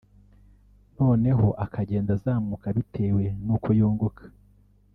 noneho akagenda azamuka bitewe n’uko yunguka